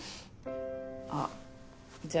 あじゃあ